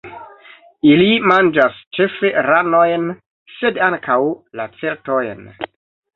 Ili manĝas ĉefe ranojn, sed ankaŭ lacertojn.